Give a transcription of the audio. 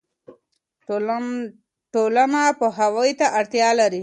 ټولنه پوهاوي ته اړتیا لري.